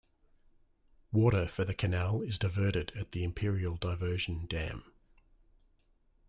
Water for the canal is diverted at the Imperial Diversion Dam.